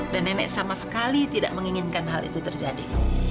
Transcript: dan nenek sama sekali tidak menginginkan hal itu terjadi